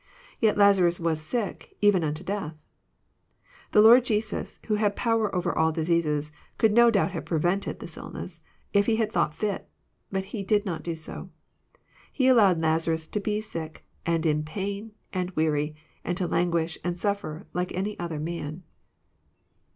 Yet Lazarus was sick, even unto death I The Lord Jesus, who Jiad power over all diseases, could no doubt have^jMrev e n t ed this illness, if He had thought fit. But He did not^ do so. He allowed Lazarus to be sick, and in pain, and weary, and to languish and suffer like any other man."